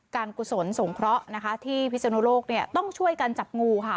การกุศลสงเคราะห์ที่พิศนุโลกต้องช่วยกันจับงูค่ะ